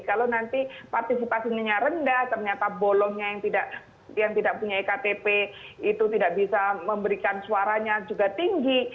kalau nanti partisipasinya rendah ternyata bolongnya yang tidak punya ektp itu tidak bisa memberikan suaranya juga tinggi